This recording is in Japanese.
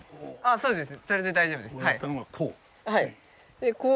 そうですね。